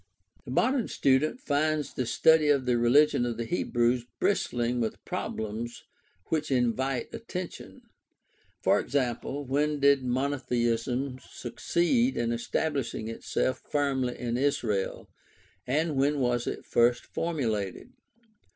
— The modern student finds the study of the religion of the Hebrews bristling with problems which invite attention. For example, when did monotheism succeed in establishing itself firmly in Israel, and when was it first formulated